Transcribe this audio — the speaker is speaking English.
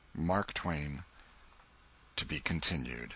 MARK TWAIN. (_To be Continued.